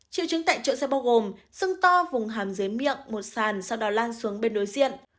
triệu chứng tại chỗ xe bao gồm sưng to vùng hàm dưới miệng một sàn sau đó lan xuống bên đối diện